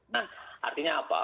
nah artinya apa